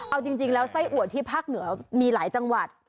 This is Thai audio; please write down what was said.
เอาจริงแล้วไส้อัวที่ภาคเหนือมีหลายจังหวัด